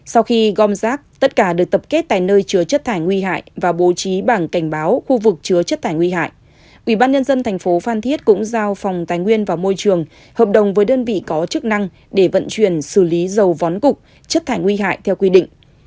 sau khi gom rác tất cả được tập kết tại nơi chứa chất thải nguy hại và bố trí bảng cảnh báo khu vực chứa chất thải nguy hại